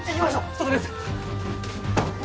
そこです！